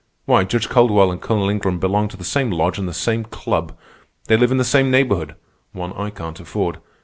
Why, Judge Caldwell and Colonel Ingram belong to the same lodge and the same club. They live in the same neighborhood—one I can't afford.